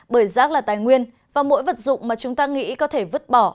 bởi rác là tài nguyên và mỗi vật dụng mà chúng ta nghĩ có thể vứt bỏ